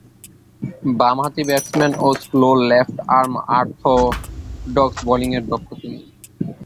বামহাতি ব্যাটসম্যান ও slow left arm orthodox বোলিংয়ে দক্ষ তিনি।